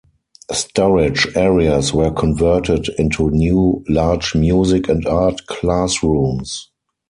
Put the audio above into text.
Storage areas were converted into new, large music and art classrooms.